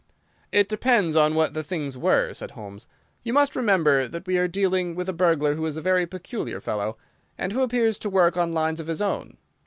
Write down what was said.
"It depends on what the things were," said Holmes. "You must remember that we are dealing with a burglar who is a very peculiar fellow, and who appears to work on lines of his own.